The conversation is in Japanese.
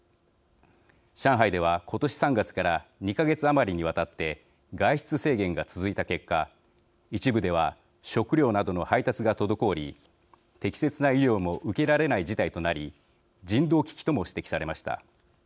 上海では今年３月から２か月余りにわたって外出制限が続いた結果一部では食料などの配達が滞り適切な医療も受けられない事態となり人道危機とも指摘されました。